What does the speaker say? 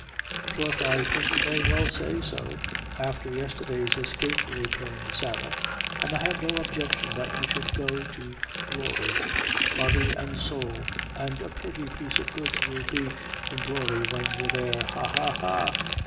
"Troth, I think you may well say so, afther yesterday's escape," returned Sarah; "an' I have no objection that you should go to glory, body an' soul; an' a purty piece o goods will be in glory when you're there ha, ha, ha!"